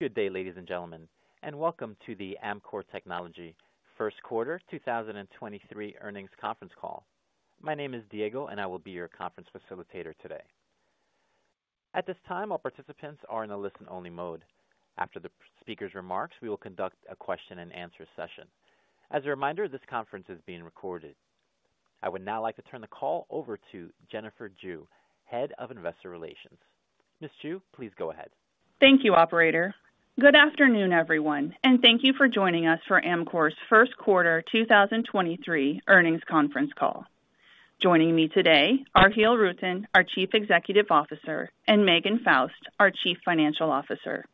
Good day, ladies and gentlemen, welcome to the Amkor Technology Q1 2023 earnings conference call. My name is Diego. I will be your conference facilitator today. At this time, all participants are in a listen-only mode. After the speaker's remarks, we will conduct a question-and-answer session. As a reminder, this conference is being recorded. I would now like to turn the call over to Jennifer Jue, head of investor relations. Ms. Zhu, please go ahead. Thank you, operator. Good afternoon, everyone, and thank you for joining us for Amkor's Q1 2023 earnings conference call. Joining me today are Giel Rutten, our Chief Executive Officer, and Megan Faust, our Chief Financial Officer.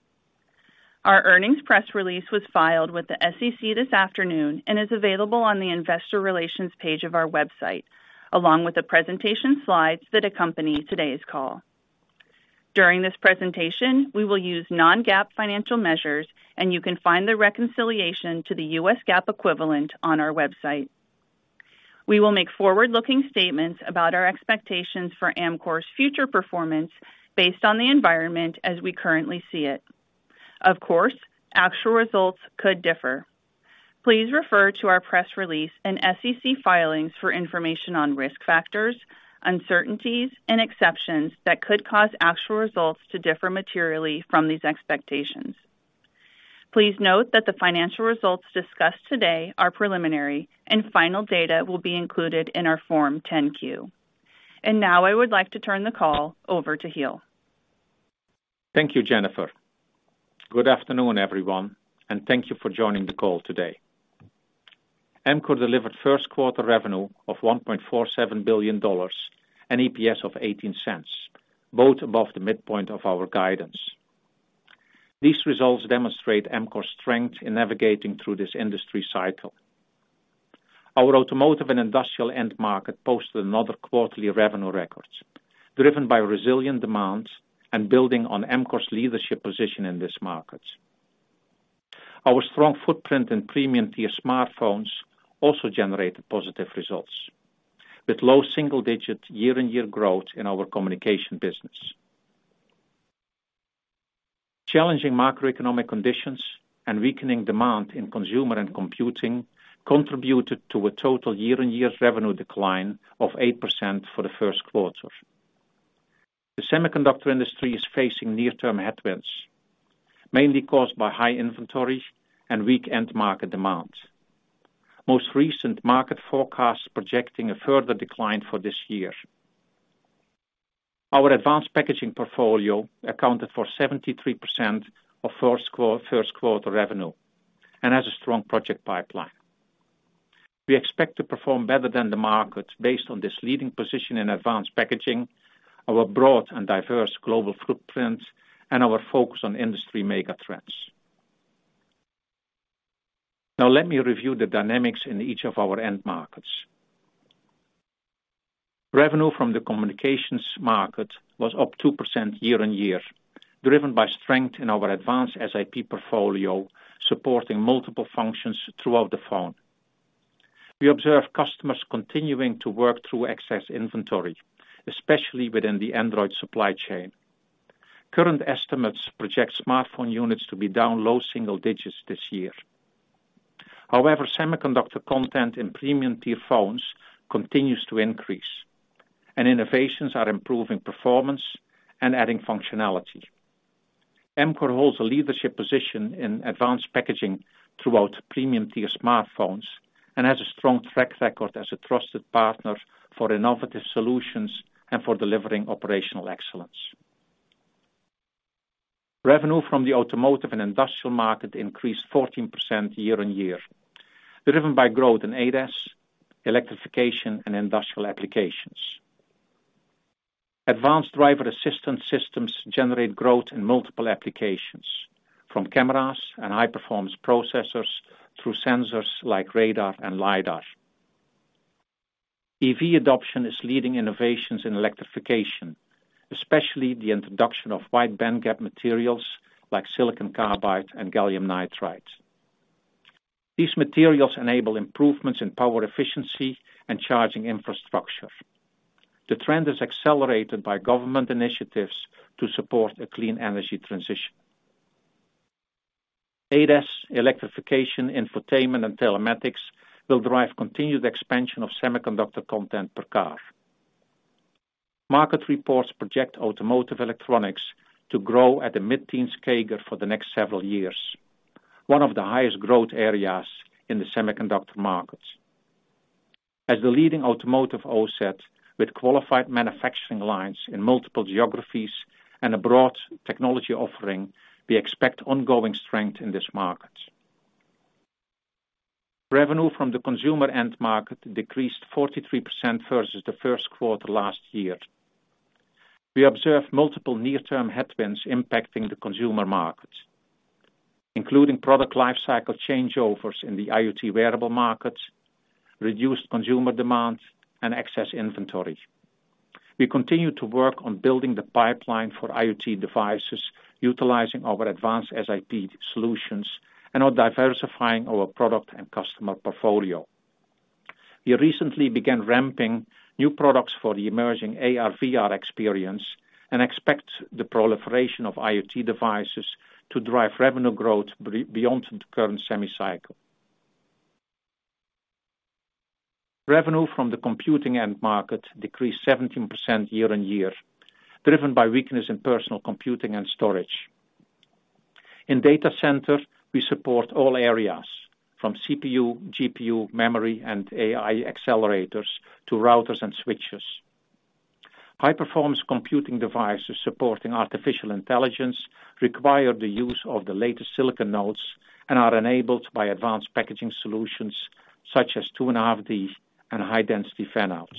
Our earnings press release was filed with the SEC this afternoon and is available on the investor relations page of our website, along with the presentation slides that accompany today's call. During this presentation, we will use non-GAAP financial measures, and you can find the reconciliation to the US GAAP equivalent on our website. We will make forward-looking statements about our expectations for Amkor's future performance based on the environment as we currently see it. Of course, actual results could differ. Please refer to our press release and SEC filings for information on risk factors, uncertainties, and exceptions that could cause actual results to differ materially from these expectations. Please note that the financial results discussed today are preliminary, and final data will be included in our Form 10-Q. Now I would like to turn the call over to Giel. Thank you, Jennifer. Good afternoon, everyone, and thank you for joining the call today. Amkor delivered Q1 revenue of $1.47 billion and EPS of $0.18, both above the midpoint of our guidance. These results demonstrate Amkor's strength in navigating through this industry cycle. Our automotive and industrial end market posted another quarterly revenue records, driven by resilient demands and building on Amkor's leadership position in this market. Our strong footprint in premium-tier smartphones also generated positive results, with low single-digit year-on-year growth in our communication business. Challenging macroeconomic conditions and weakening demand in consumer and computing contributed to a total year-on-year revenue decline of 8% for the Q1. The semiconductor industry is facing near-term headwinds, mainly caused by high inventory and weak end market demand. Most recent market forecasts projecting a further decline for this year. Our advanced packaging portfolio accounted for 73% of Q1 revenue and has a strong project pipeline. We expect to perform better than the market based on this leading position in advanced packaging, our broad and diverse global footprint, and our focus on industry mega trends. Now let me review the dynamics in each of our end markets. Revenue from the communications market was up 2% year-on-year, driven by strength in our advanced SiP portfolio, supporting multiple functions throughout the phone. We observe customers continuing to work through excess inventory, especially within the Android supply chain. Current estimates project smartphone units to be down low single digits this year. However, semiconductor content in premium-tier phones continues to increase, and innovations are improving performance and adding functionality. Amkor holds a leadership position in advanced packaging throughout premium-tier smartphones and has a strong track record as a trusted partner for innovative solutions and for delivering operational excellence. Revenue from the automotive and industrial market increased 14% year-on-year, driven by growth in ADAS, electrification, and industrial applications. Advanced driver assistance systems generate growth in multiple applications, from cameras and high-performance processors through sensors like radar and LiDAR. EV adoption is leading innovations in electrification, especially the introduction of wide bandgap materials like silicon carbide and gallium nitride. These materials enable improvements in power efficiency and charging infrastructure. The trend is accelerated by government initiatives to support a clean energy transition. ADAS, electrification, infotainment, and telematics will drive continued expansion of semiconductor content per car. Market reports project automotive electronics to grow at a mid-teens CAGR for the next several years, one of the highest growth areas in the semiconductor market. As the leading automotive OSAT with qualified manufacturing lines in multiple geographies and a broad technology offering, we expect ongoing strength in this market. Revenue from the consumer end market decreased 43% versus the Q1 last year. We observed multiple near-term headwinds impacting the consumer market, including product lifecycle changeovers in the IoT wearable market, reduced consumer demand, and excess inventory. We continue to work on building the pipeline for IoT devices, utilizing our advanced SiP solutions and on diversifying our product and customer portfolio. We recently began ramping new products for the emerging AR/VR experience and expect the proliferation of IoT devices to drive revenue growth beyond the current semi cycle. Revenue from the computing end market decreased 17% year-on-year, driven by weakness in personal computing and storage. In data center, we support all areas from CPU, GPU, memory, and AI accelerators to routers and switches. high-performance computing devices supporting artificial intelligence require the use of the latest silicon nodes and are enabled by advanced packaging solutions such as 2.5D and High-Density Fan-Out.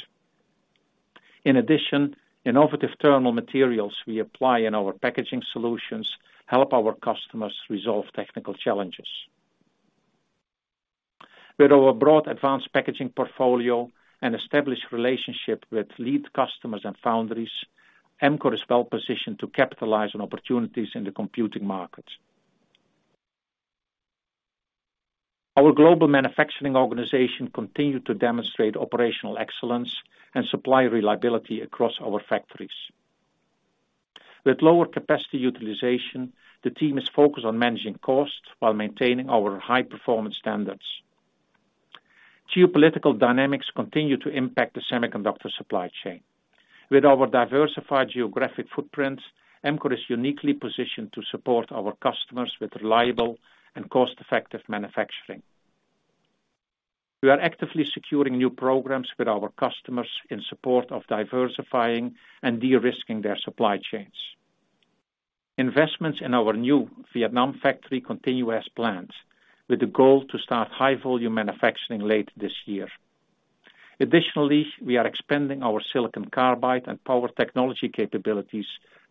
In addition, innovative thermal materials we apply in our packaging solutions help our customers resolve technical challenges. With our broad advanced packaging portfolio and established relationship with lead customers and foundries, Amkor is well-positioned to capitalize on opportunities in the computing market. Our global manufacturing organization continued to demonstrate operational excellence and supply reliability across our factories. With lower capacity utilization, the team is focused on managing costs while maintaining our high-performance standards. Geopolitical dynamics continue to impact the semiconductor supply chain. With our diversified geographic footprint, Amkor is uniquely positioned to support our customers with reliable and cost-effective manufacturing. We are actively securing new programs with our customers in support of diversifying and de-risking their supply chains. Investments in our new Vietnam factory continue as planned, with the goal to start high-volume manufacturing late this year. Additionally, we are expanding our silicon carbide and power technology capabilities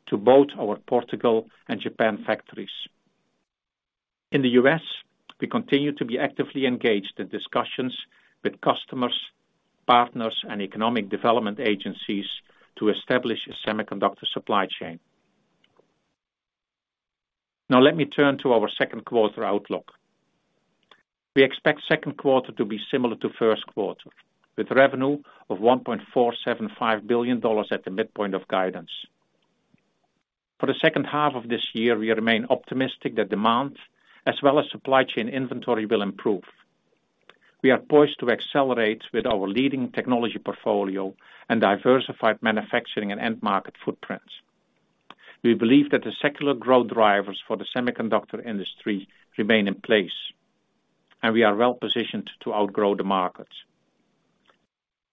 to both our Portugal and Japan factories. In the U.S., we continue to be actively engaged in discussions with customers, partners, and economic development agencies to establish a semiconductor supply chain. Now let me turn to our Q2 outlook. We expect Q2 to be similar to Q1, with revenue of $1.475 billion at the midpoint of guidance. For the second half of this year, we remain optimistic that demand, as well as supply chain inventory, will improve. We are poised to accelerate with our leading technology portfolio and diversified manufacturing and end market footprints. We believe that the secular growth drivers for the semiconductor industry remain in place, and we are well-positioned to outgrow the market.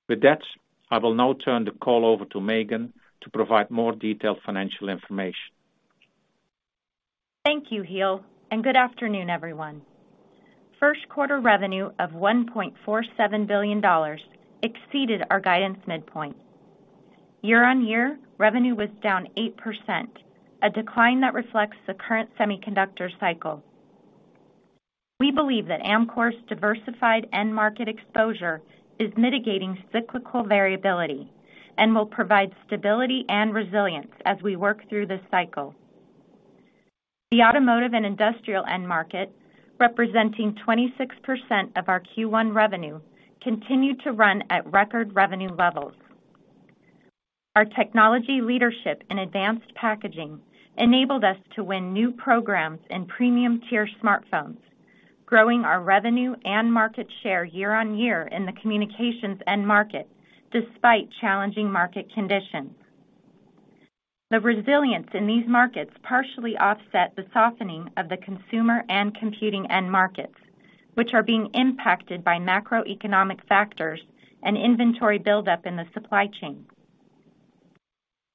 With that, I will now turn the call over to Megan to provide more detailed financial information. Thank you, Giel. Good afternoon, everyone. Q1 revenue of $1.47 billion exceeded our guidance midpoint. Year-on-year, revenue was down 8%, a decline that reflects the current semiconductor cycle. We believe that Amkor's diversified end market exposure is mitigating cyclical variability and will provide stability and resilience as we work through this cycle. The automotive and industrial end market, representing 26% of our Q1 revenue, continued to run at record revenue levels. Our technology leadership in advanced packaging enabled us to win new programs in premium-tier smartphones, growing our revenue and market share year-on-year in the communications end market despite challenging market conditions. The resilience in these markets partially offset the softening of the consumer and computing end markets, which are being impacted by macroeconomic factors and inventory buildup in the supply chain.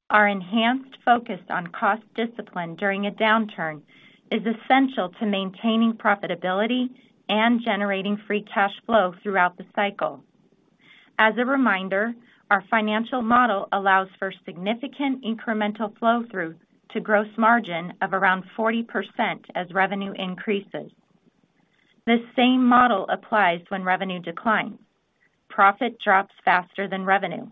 Our enhanced focus on cost discipline during a downturn is essential to maintaining profitability and generating free cash flow throughout the cycle. As a reminder, our financial model allows for significant incremental flow-through to gross margin of around 40% as revenue increases. This same model applies when revenue declines. Profit drops faster than revenue.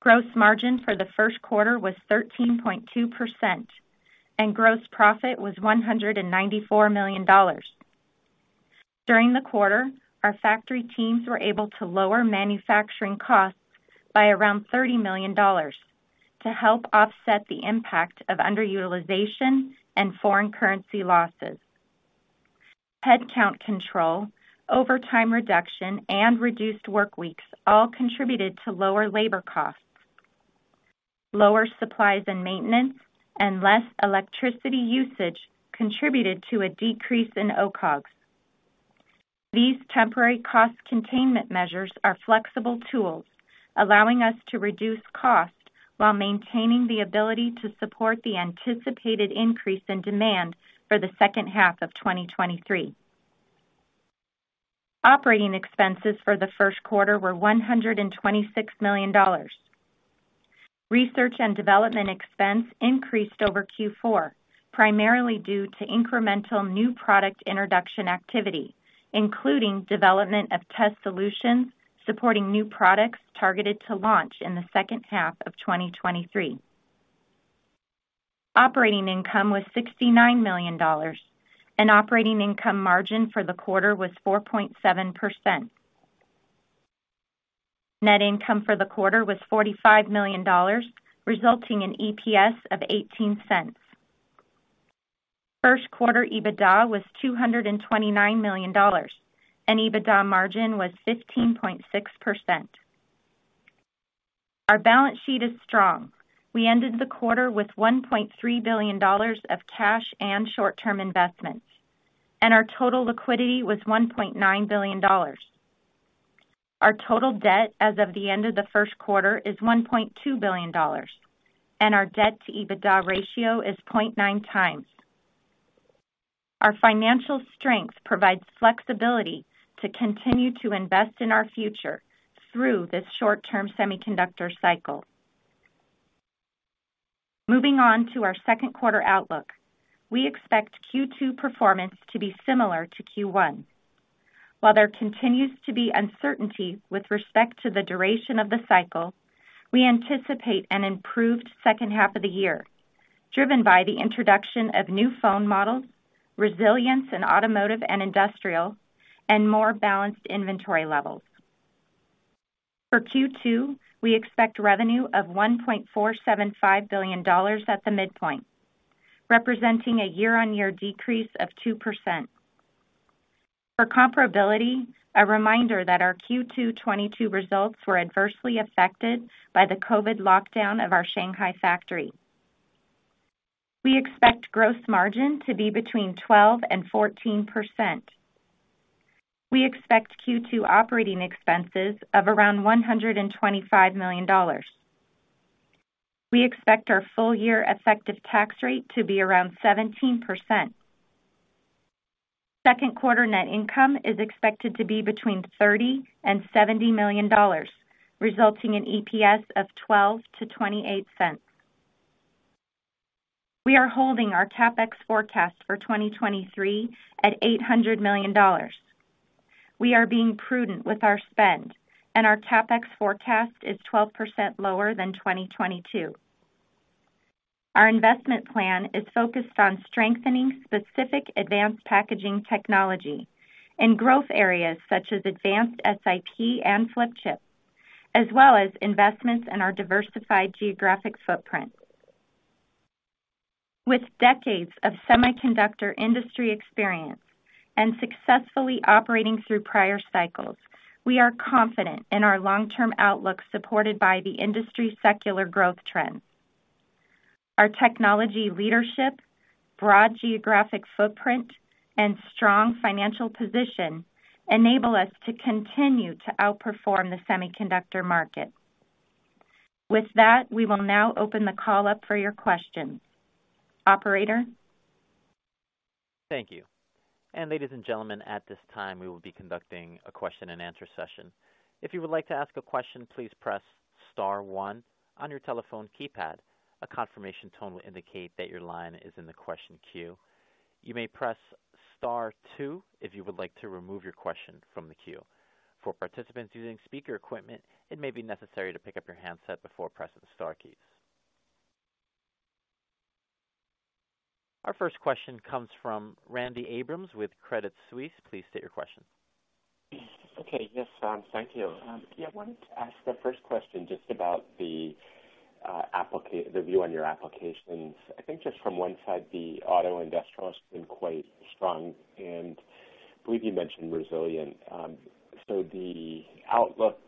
Gross margin for the Q1 was 13.2%, and gross profit was $194 million. During the quarter, our factory teams were able to lower manufacturing costs by around $30 million to help offset the impact of underutilization and foreign currency losses. Headcount control, overtime reduction, and reduced workweeks all contributed to lower labor costs. Lower supplies and maintenance and less electricity usage contributed to a decrease in OCOGs. These temporary cost containment measures are flexible tools, allowing us to reduce cost while maintaining the ability to support the anticipated increase in demand for the second half of 2023. Operating expenses for the Q1 were $126 million. Research and development expense increased over Q4, primarily due to incremental new product introduction activity, including development of test solutions supporting new products targeted to launch in the second half of 2023. Operating income was $69 million, and operating income margin for the quarter was 4.7%. Net income for the quarter was $45 million, resulting in EPS of $0.18. Q1 EBITDA was $229 million, and EBITDA margin was 15.6%. Our balance sheet is strong. We ended the quarter with $1.3 billion of cash and short-term investments. Our total liquidity was $1.9 billion. Our total debt as of the end of the Q1 is $1.2 billion, and our debt-to-EBITDA ratio is 0.9 times. Our financial strength provides flexibility to continue to invest in our future through this short-term semiconductor cycle. Moving on to our Q2 outlook. We expect Q2 performance to be similar to Q1. While there continues to be uncertainty with respect to the duration of the cycle, we anticipate an improved second half of the year, driven by the introduction of new phone models, resilience in automotive and industrial, and more balanced inventory levels. For Q2, we expect revenue of $1.475 billion at the midpoint, representing a year-on-year decrease of 2%. For comparability, a reminder that our Q2 2022 results were adversely affected by the COVID lockdown of our Shanghai factory. We expect gross margin to be between 12% and 14%. We expect Q2 operating expenses of around $125 million. We expect our full-year effective tax rate to be around 17%. Q2 net income is expected to be between $30 million and $70 million, resulting in EPS of $0.12 to $0.28. We are holding our CapEx forecast for 2023 at $800 million. We are being prudent with our spend, and our CapEx forecast is 12% lower than 2022. Our investment plan is focused on strengthening specific advanced packaging technology in growth areas such as advanced SiP and flip chip, as well as investments in our diversified geographic footprint. With decades of semiconductor industry experience and successfully operating through prior cycles, we are confident in our long-term outlook supported by the industry secular growth trends. Our technology leadership, broad geographic footprint, and strong financial position enable us to continue to outperform the semiconductor market. With that, we will now open the call up for your questions. Operator? Thank you. Ladies and gentlemen, at this time, we will be conducting a question-and-answer session. If you would like to ask a question, please press star one on your telephone keypad. A confirmation tone will indicate that your line is in the question queue. You may press star two if you would like to remove your question from the queue. For participants using speaker equipment, it may be necessary to pick up your handset before pressing the star keys. Our first question comes from Randy Abrams with Credit Suisse. Please state your question. Okay. Yes, thank you. I wanted to ask the first question just about the view on your applications. I think just from one side, the auto industrial has been quite strong, and I believe you mentioned resilient. The outlook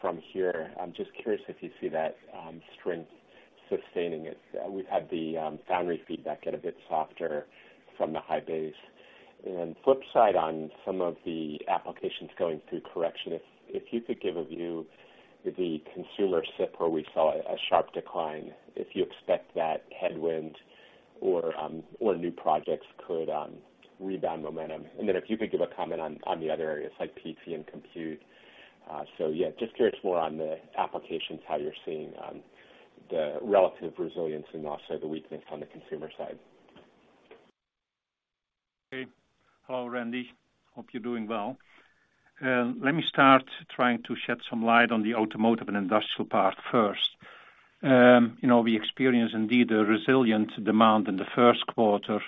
from here, I'm just curious if you see that strength sustaining it. We've had the foundry feedback get a bit softer from the high base. Flip side on some of the applications going through correction, if you could give a view, the consumer SiP, where we saw a sharp decline, if you expect that headwind or new projects could rebound momentum. If you could give a comment on the other areas like PC and compute. Yeah, just curious more on the applications, how you're seeing, the relative resilience and also the weakness on the consumer side. Okay. Hello, Randy. Hope you're doing well. Let me start trying to shed some light on the automotive and industrial part first. You know, we experienced indeed a resilient demand in the Q1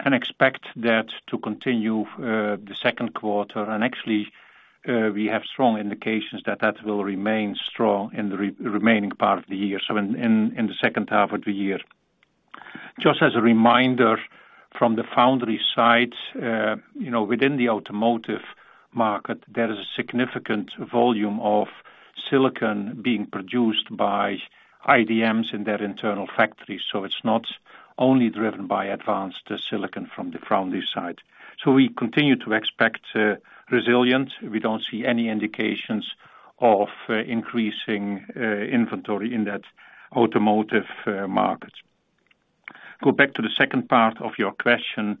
and expect that to continue, the Q2. Actually, we have strong indications that that will remain strong in the remaining part of the year, so in the second half of the year. Just as a reminder from the foundry side, you know, within the automotive market, there is a significant volume of silicon being produced by IDMs in their internal factories, so it's not only driven by advanced silicon from the foundry side. We continue to expect resilience. We don't see any indications of increasing inventory in that automotive market. Go back to the second part of your question,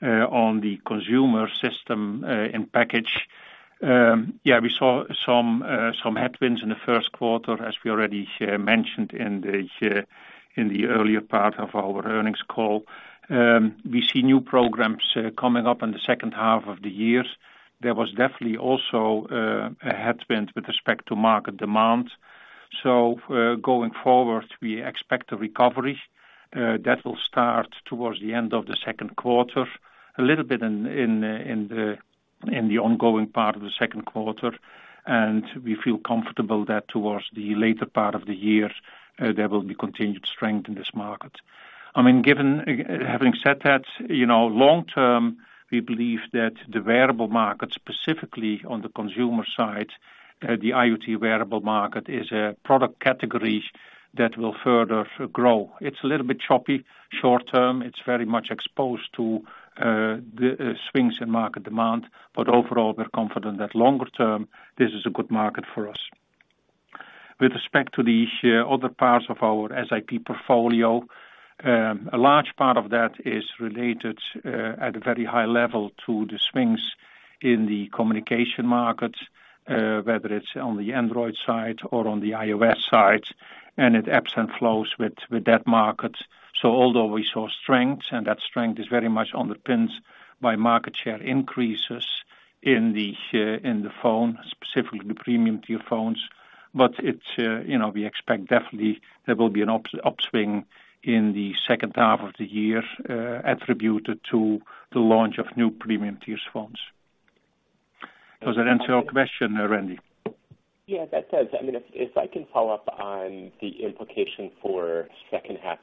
on the consumer system, and package. Yeah, we saw some headwinds in the Q1, as we already mentioned in the earlier part of our earnings call. We see new programs coming up in the second half of the year. There was definitely also a headwind with respect to market demand. Going forward, we expect a recovery that will start towards the end of the Q2, a little bit in the ongoing part of the Q2, and we feel comfortable that towards the later part of the year, there will be continued strength in this market. I mean, given, having said that, you know, long term, we believe that the wearable market, specifically on the consumer side, the IoT wearable market, is a product category that will further grow. It's a little bit choppy short term. It's very much exposed to the swings in market demand, but overall, we're confident that longer term this is a good market for us. With respect to the other parts of our SiP portfolio, a large part of that is related at a very high level to the swings in the communication market, whether it's on the Android side or on the iOS side, and it ebbs and flows with that market. Although we saw strength, and that strength is very much underpinned by market share increases in the, in the phone, specifically the premium tier phones, but it, you know, we expect definitely there will be an upswing in the second half of the year, attributed to the launch of new premium tier phones. Does that answer your question, Randy? Yeah, that does. I mean, if I can follow up on the implication for second half,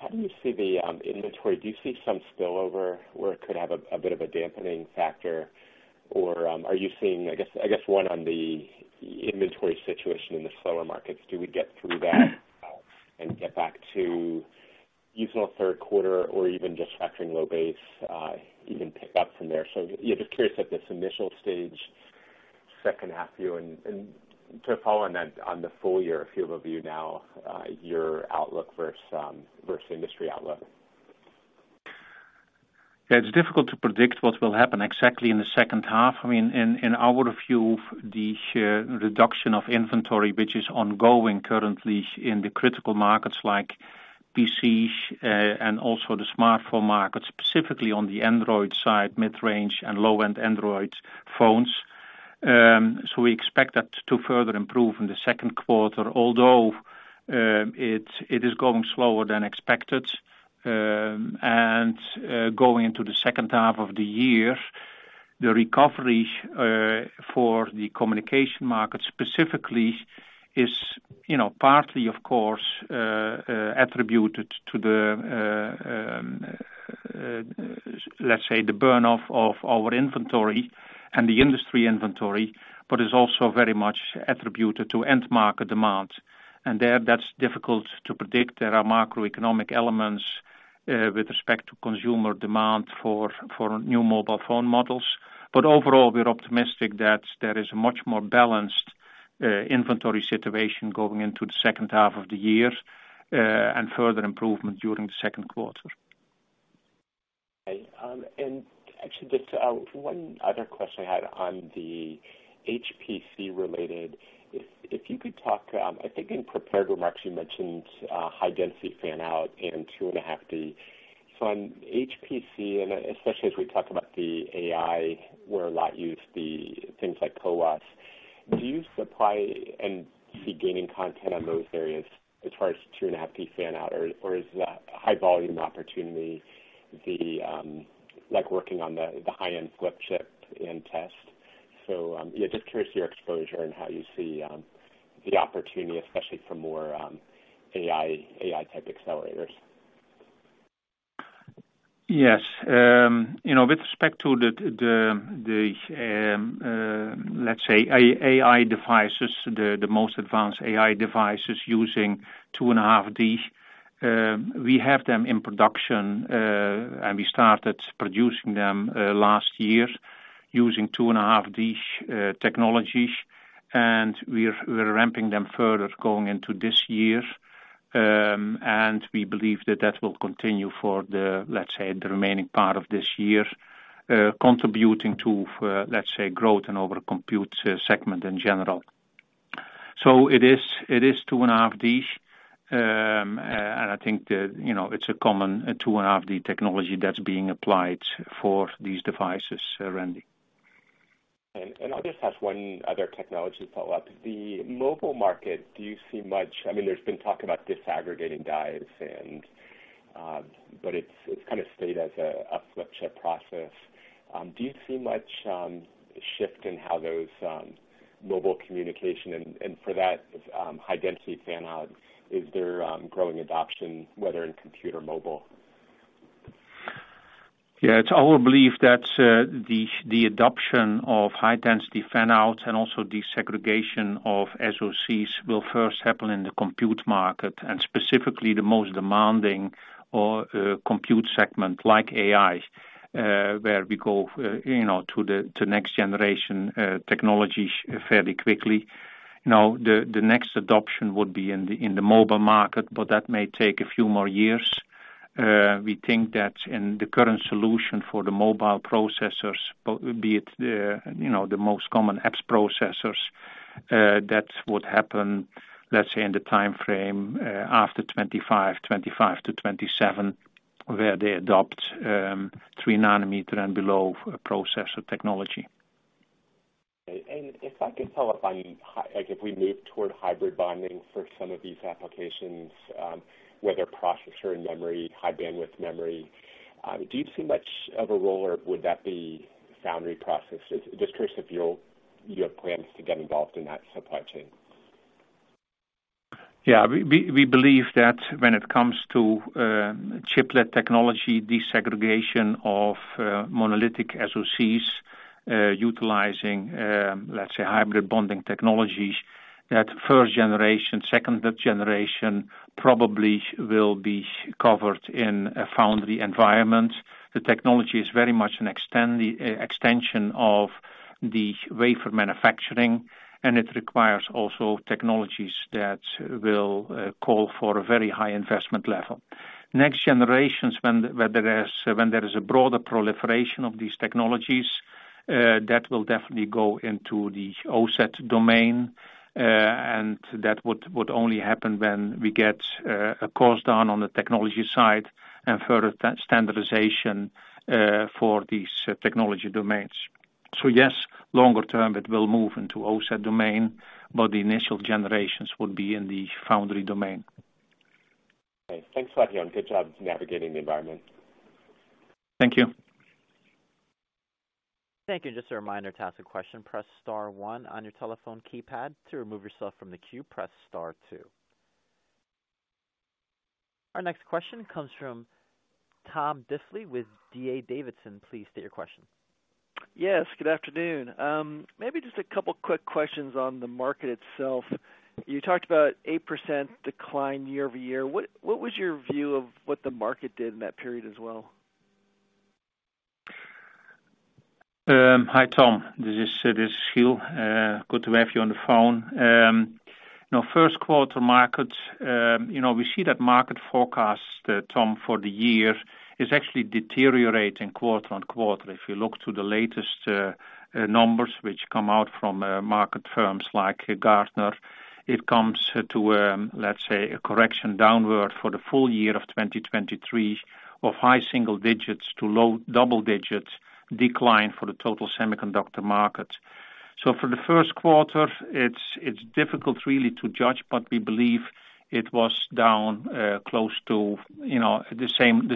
how do you see the inventory? Do you see some spillover where it could have a bit of a dampening factor? Or are you seeing, I guess one on the inventory situation in the slower markets, do we get through that and get back to usual Q3 or even just factoring low base, even pick up from there? Just curious at this initial stage second half view and to follow on that, on the full year view of you now, your outlook versus industry outlook? Yeah. It's difficult to predict what will happen exactly in the second half. I mean, in our view, the reduction of inventory, which is ongoing currently in the critical markets like PCs, and also the smartphone market, specifically on the Android side, mid-range and low-end Android phones. We expect that to further improve in the Q2, although it is going slower than expected. Going into the second half of the year, the recovery for the communication market specifically is, you know, partly, of course, attributed to the, let's say, the burn off of our inventory and the industry inventory, but is also very much attributed to end market demand. There, that's difficult to predict. There are macroeconomic elements with respect to consumer demand for new mobile phone models. Overall, we're optimistic that there is a much more balanced inventory situation going into the second half of the year, and further improvement during the Q2. Okay. Actually just one other question I had on the HPC related. If you could talk, I think in prepared remarks, you mentioned High-Density Fan-Out and 2.5D. On HPC, especially as we talk about the AI, where a lot use the things like CoWoS, do you supply and see gaining content on those areas as far as 2.5D fan-out or is that a high volume opportunity, like working on the high-end flip chip in test? Just curious your exposure and how you see the opportunity, especially for more AI type accelerators. Yes. You know, with respect to the AI devices, the most advanced AI devices using 2.5D, we have them in production. We started producing them last year using 2.5D technologies, and we're ramping them further going into this year. We believe that that will continue for the remaining part of this year, contributing to growth in our compute segment in general. It is 2.5D. I think that, you know, it's a common 2.5D technology that's being applied for these devices, Randy. I'll just ask one other technology follow-up. The mobile market, do you see much, I mean, there's been talk about disaggregating dies and, but it's kind of stayed as a flip chip process. Do you see much shift in how those mobile communication and for that High-Density Fan-Out, is there growing adoption, whether in computer mobile? It's our belief that the adoption of High-Density Fan-Out and also desegregation of SoCs will first happen in the compute market, and specifically the most demanding or compute segment like AI, where we go, you know, to the next generation technologies fairly quickly. The next adoption would be in the mobile market, but that may take a few more years. We think that in the current solution for the mobile processors, but be it the, you know, the most common apps processors, that would happen, let's say, in the timeframe after 2025-2027, where they adopt three nanometer and below processor technology. If I could follow up on, like, if we move toward hybrid bonding for some of these applications, whether processor and memory, High Bandwidth Memory, do you see much of a role or would that be foundry processes? Just curious if you have plans to get involved in that supply chain. Yeah. We believe that when it comes to chiplet technology, desegregation of monolithic SoCs, utilizing, let's say, hybrid bonding technologies, that first generation, second generation probably will be covered in a foundry environment. The technology is very much an extension of the wafer manufacturing, and it requires also technologies that will call for a very high investment level. Next generations when there is a broader proliferation of these technologies that will definitely go into the OSAT domain, and that would only happen when we get a cost down on the technology side and further that standardization for these technology domains. Yes, longer term it will move into OSAT domain, but the initial generations would be in the foundry domain. Okay. Thanks a lot, Giel. Good job navigating the environment. Thank you. Thank you. Just a reminder, to ask a question, press star one on your telephone keypad. To remove yourself from the queue, press star two. Our next question comes from Tom Diffely with D.A. Davidson. Please state your question. Yes, good afternoon. maybe just a couple quick questions on the market itself. You talked about 8% decline year-over-year. What was your view of what the market did in that period as well? Hi, Tom. This is Giel. Good to have you on the phone. You know, Q1 market, you know, we see that market forecast, Tom, for the year is actually deteriorating quarter-on-quarter. If you look to the latest numbers which come out from market firms like Gartner, it comes to, let's say, a correction downward for the full year of 2023 of high single digits to low double digits decline for the total semiconductor market. For the Q1 it's difficult really to judge, but we believe it was down, close to, you know, the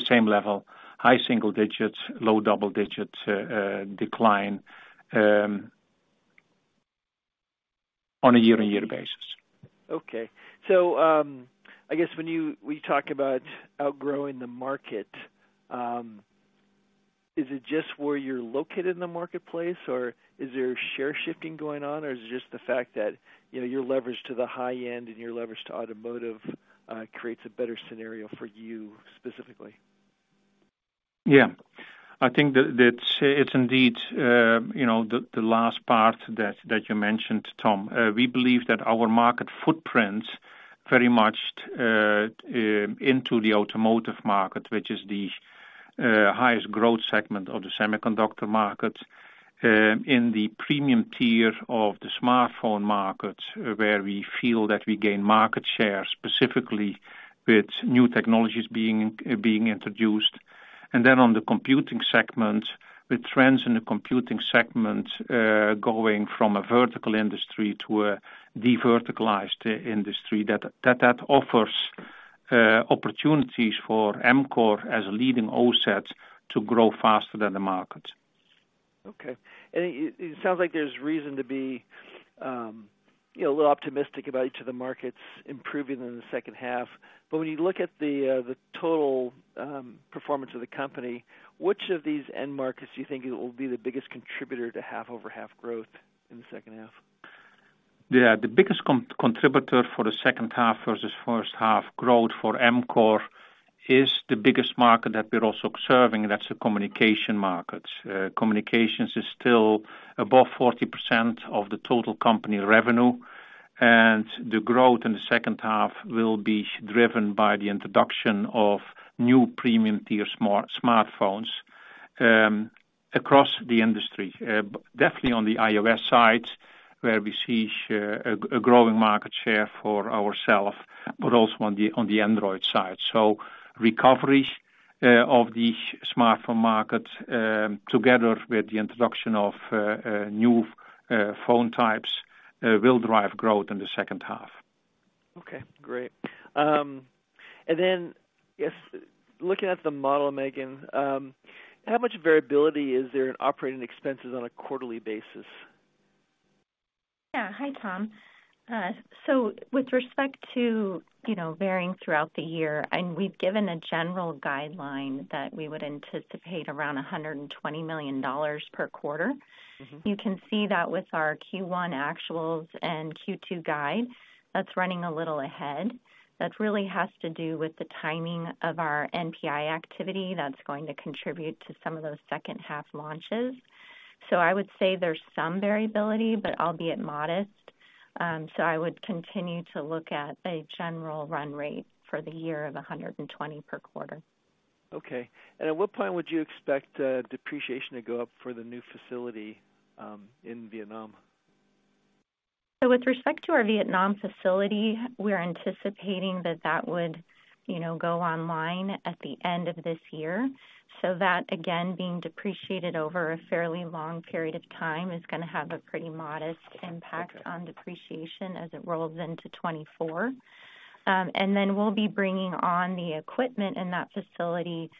same level, high single digits, low double digits decline on a year-on-year basis. Okay. I guess when we talk about outgrowing the market, is it just where you're located in the marketplace, or is there share shifting going on, or is it just the fact that, you know, you're leveraged to the high end and you're leveraged to automotive, creates a better scenario for you specifically? Yeah. I think that it's indeed, you know, the last part that you mentioned, Tom. We believe that our market footprint very much into the automotive market, which is the highest growth segment of the semiconductor market, in the premium tier of the smartphone market, where we feel that we gain market share specifically with new technologies being introduced. On the computing segment, with trends in the computing segment, going from a vertical industry to a deverticalized industry that offers opportunities for Amkor as a leading OSAT to grow faster than the market. Okay. It sounds like there's reason to be, you know, a little optimistic about each of the markets improving in the second half. When you look at the total performance of the company, which of these end markets do you think it will be the biggest contributor to half-over-half growth in the second half? Yeah. The biggest contributor for the second half versus first half growth for Amkor is the biggest market that we're also serving, that's the communication market. Communications is still above 40% of the total company revenue, the growth in the second half will be driven by the introduction of new premium-tier smartphones across the industry. Definitely on the iOS side, where we see a growing market share for ourself, also on the Android side. Recoveries of the smartphone market together with the introduction of new phone types will drive growth in the second half. Okay, great. Just looking at the model, Megan, how much variability is there in operating expenses on a quarterly basis? Yeah. Hi, Tom. With respect to, you know, varying throughout the year, and we've given a general guideline that we would anticipate around $120 million per quarter. You can see that with our Q1 actuals and Q2 guide, that's running a little ahead. That really has to do with the timing of our NPI activity that's going to contribute to some of those second half launches. I would say there's some variability, but albeit modest. I would continue to look at a general run rate for the year of 120 per quarter. Okay. At what point would you expect depreciation to go up for the new facility in Vietnam? With respect to our Vietnam facility, we're anticipating that that would, you know, go online at the end of this year. That, again, being depreciated over a fairly long period of time, is gonna have a pretty modest impact on depreciation as it rolls into 2024. Then we'll be bringing on the equipment in that facility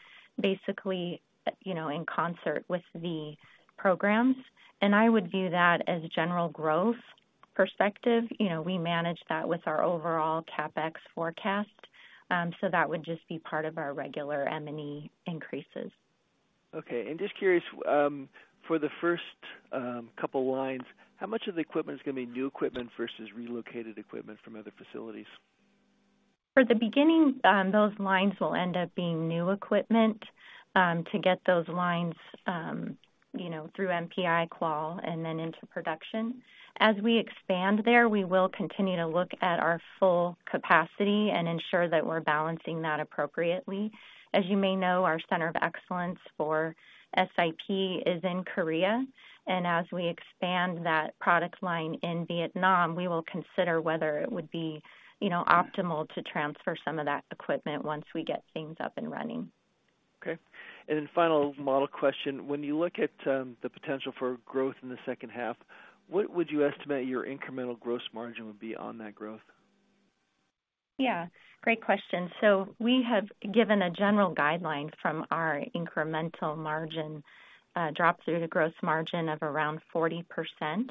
basically, you know, in concert with the programs. I would view that as general growth perspective. You know, we manage that with our overall CapEx forecast. That would just be part of our regular M&A increases. Okay. Just curious, for the first, couple lines, how much of the equipment is gonna be new equipment versus relocated equipment from other facilities? For the beginning, those lines will end up being new equipment, to get those lines, you know, through MPI qual and then into production. As we expand there, we will continue to look at our full capacity and ensure that we're balancing that appropriately. As you may know, our center of excellence for SiP is in Korea, and as we expand that product line in Vietnam, we will consider whether it would be, you know, optimal to transfer some of that equipment once we get things up and running. Okay. Final model question. When you look at the potential for growth in the second half, what would you estimate your incremental gross margin would be on that growth? Yeah, great question. We have given a general guideline from our incremental margin, drop through the gross margin of around 40%.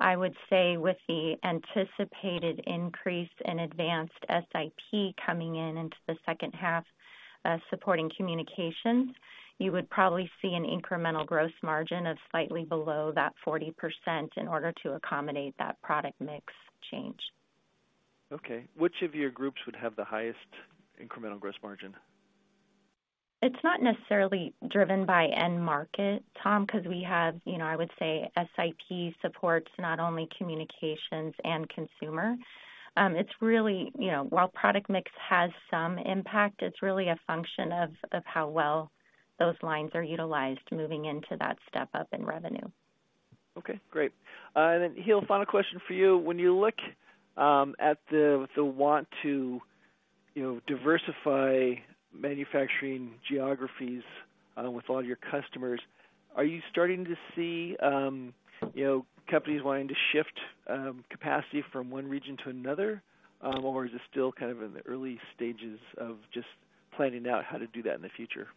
I would say with the anticipated increase in advanced SiP coming in into the second half, supporting communications, you would probably see an incremental gross margin of slightly below that 40% in order to accommodate that product mix change. Okay, which of your groups would have the highest incremental gross margin? It's not necessarily driven by end market, Tom, 'cause we have, you know, I would say SiP supports not only communications and consumer. It's really, you know, while product mix has some impact, it's really a function of how well those lines are utilized moving into that step-up in revenue. Great. Giel, final question for you. When you look at the want to, you know, diversify manufacturing geographies with a lot of your customers, are you starting to see, you know, companies wanting to shift capacity from one region to another? Is it still kind of in the early stages of just planning out how to do that in the future?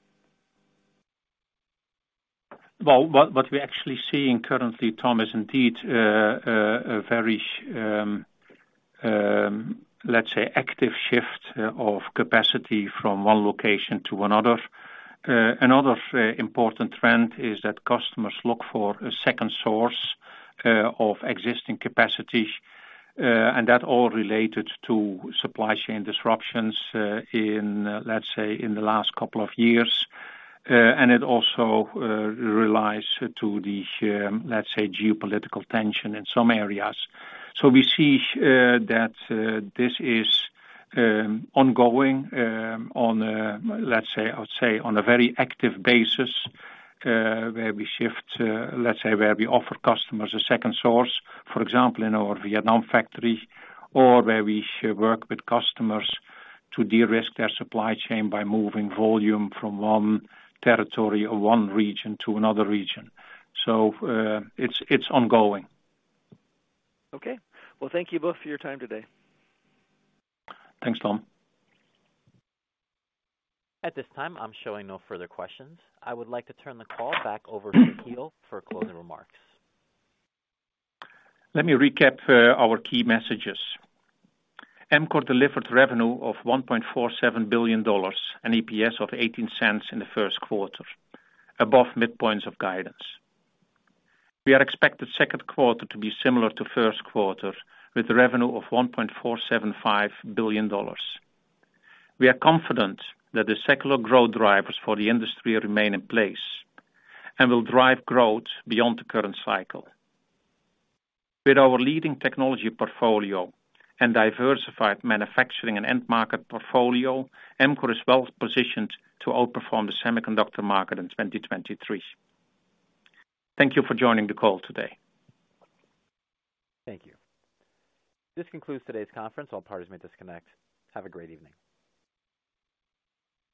Well, what we're actually seeing currently, Tom, is indeed, a very, let's say active shift of capacity from one location to another. Another important trend is that customers look for a second source of existing capacity, and that all related to supply chain disruptions in, let's say, in the last couple of years. It also relies to the, let's say, geopolitical tension in some areas. We see that this is ongoing on, let's say, I would say on a very active basis, where we shift, let's say where we offer customers a second source, for example, in our Vietnam factory, or where we work with customers to de-risk their supply chain by moving volume from one territory or one region to another region. It's ongoing. Okay. Well, thank you both for your time today. Thanks, Tom. At this time, I'm showing no further questions. I would like to turn the call back over to Giel for closing remarks. Let me recap our key messages. Amkor delivered revenue of $1.47 billion, an EPS of $0.18 in the Q1, above midpoints of guidance. We are expected Q2 to be similar to Q1, with revenue of $1.475 billion. We are confident that the secular growth drivers for the industry remain in place, and will drive growth beyond the current cycle. With our leading technology portfolio and diversified manufacturing and end market portfolio, Amkor is well positioned to outperform the semiconductor market in 2023. Thank you for joining the call today. Thank you. This concludes today's conference. All parties may disconnect. Have a great evening.